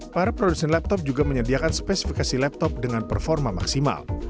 para produsen laptop juga menyediakan spesifikasi laptop dengan performa maksimal